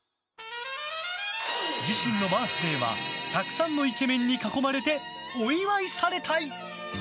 自身のバースデーはたくさんのイケメンに囲まれてお祝いされたい！